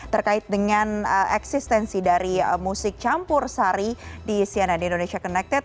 terkait dengan eksistensi dari musik campur sari di cnn indonesia connected